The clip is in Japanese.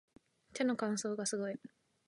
手の乾燥がすごい